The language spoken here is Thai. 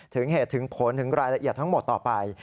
ถึงเหตุถึงผลถึงรายละเอียดทั้งหมดต่อไป